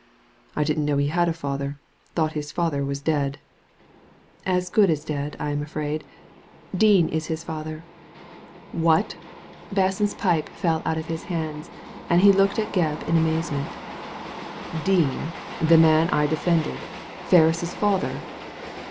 "I didn't know he had a father. Thought his father was dead." " As good as dead, I am afraid. Dean is his father.*' " What I " Basson's pipe fell out of his hands, and he looked at Gebb in amazement ^' Dean, the man I defended, Ferris's father